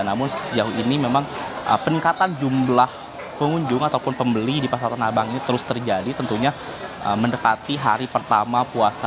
namun sejauh ini memang peningkatan jumlah pengunjung ataupun pembeli di pasar tanah abang ini terus terjadi tentunya mendekati hari pertama puasa